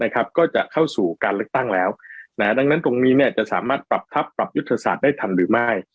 ก็จะเข้าสู่การเลือกตั้งแล้วดังนั้นตรงนี้จะสามารถปรับทัพปรับยุทธศาสตร์ได้ทันหรือไม่